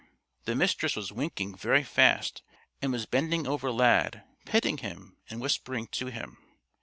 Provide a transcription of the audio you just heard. The Mistress was winking very fast and was bending over Lad, petting him and whispering to him.